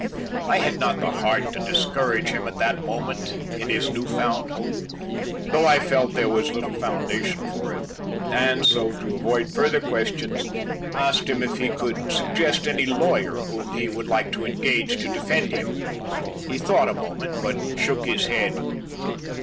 I had not the heart to discourage him at that moment in his new found hope, though I felt there was little foundation for it, and so, to avoid further questions, asked him if he could suggest any lawyer whom he would like to engage to defend him. He thought a moment but shook his head.